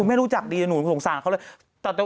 คุณแม่รู้จักดีคุณสนสารเขาเลย